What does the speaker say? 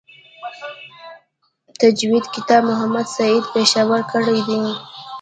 د تجوید کتابت محمد سعید پشاوری کړی دی.